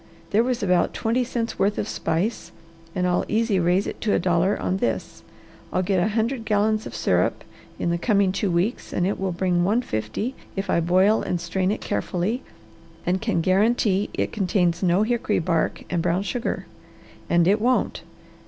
"There was about twenty cents' worth of spice, and I'll easy raise it to a dollar on this. I'll get a hundred gallons of syrup in the coming two weeks and it will bring one fifty if I boil and strain it carefully and can guarantee it contains no hickory bark and brown sugar. And it won't!